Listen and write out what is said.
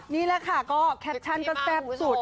นี่แหละค่ะก็แฟสั้นสุด